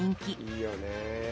いいよね。